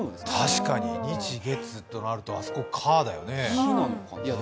確かに日月となるとあそこ火だよね。